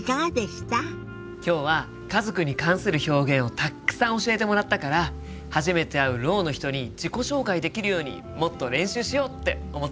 今日は家族に関する表現をたっくさん教えてもらったから初めて会うろうの人に自己紹介できるようにもっと練習しようって思ってるよ。